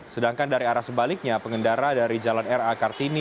sedangkan dari arah sebaliknya pengendara dari jalan ra kartini